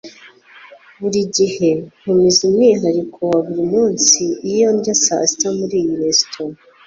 Buri gihe ntumiza umwihariko wa buri munsi iyo ndya saa sita muri iyi resitora